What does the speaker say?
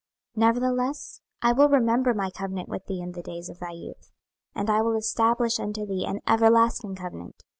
26:016:060 Nevertheless I will remember my covenant with thee in the days of thy youth, and I will establish unto thee an everlasting covenant.